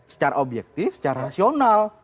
secara objektif secara rasional